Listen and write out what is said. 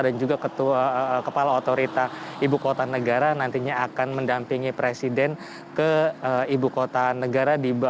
dan juga kepala otorita ibu kota negara nantinya akan mendampingi presiden ke ibu kota negara